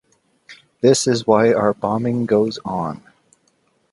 This is why our bombing goes on"".